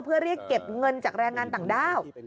เพื่อเรียกเก็บเงินจากแรงงานต่างด้าว